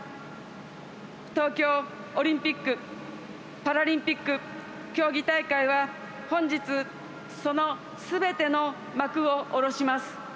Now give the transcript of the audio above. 東京オリンピック・パラリンピック競技大会は本日そのすべての幕を下ろします。